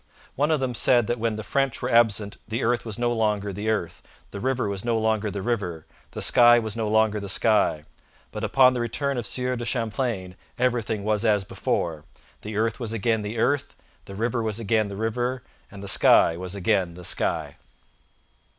One of them said that when the French were absent the earth was no longer the earth, the river was no longer the river, the sky was no longer the sky; but upon the return of Sieur de Champlain everything was as before: the earth was again the earth, the river was again the river, and the sky was again the sky.'